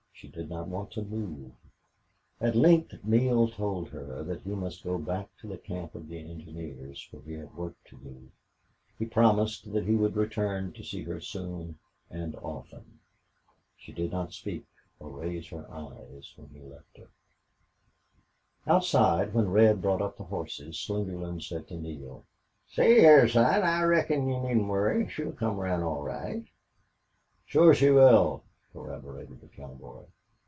She did not want to move. At length Neale told her that he must go back to the camp of the engineers, where he had work to do; he promised that he would return to see her soon and often. She did not speak or raise her eyes when he left her. Outside, when Red brought up the horses, Slingerland said to Neale: "See hyar, son, I reckon you needn't worry. She'll come around all right." "Shore she will," corroborated the cowboy.